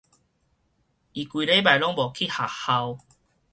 伊規禮拜攏無去學校